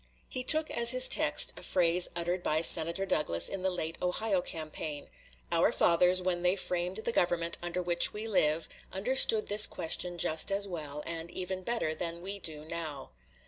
He took as his text a phrase uttered by Senator Douglas in the late Ohio campaign "Our fathers, when they framed the government under which we live, understood this question just as well, and even better than we do now."